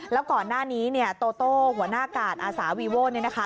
แล้วก่อนหน้านี้โตโต้หัวหน้ากาศอาสาวีโว้นะคะ